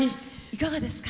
いかがですか？